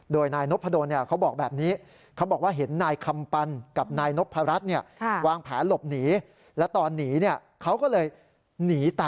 โดยนายนพดลเนี่ยเขาบอกแบบนี้